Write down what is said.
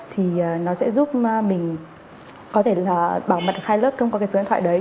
thì nó sẽ giúp mình có thể là bảo mật hai lớp không có cái số điện thoại đấy